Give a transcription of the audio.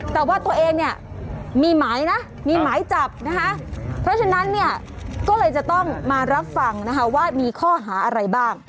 แต่ว่าตัวเองเนี่ยมีหมายนะมีหมายจับนะคะเพราะฉะนั้นเนี่ยก็เลยจะต้องมารับฟังนะคะว่ามีข้อหาอะไรบ้าง